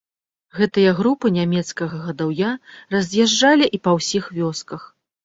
Гэтыя групы нямецкага гадаўя раз'язджалі і па ўсіх вёсках.